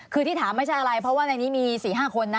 คือที่ถามไม่ใช่อะไรเพราะว่าในนี้มี๔๕คนนะ